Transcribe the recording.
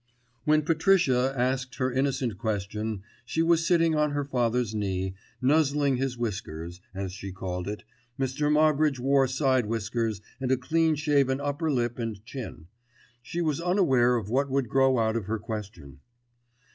When Patricia asked her innocent question she was sitting on her father's knee "nuzzling his whiskers," as she called it, Mr. Moggridge wore side whiskers and a clean shaven upper lip and chin, she was unaware of what would grow out of her question.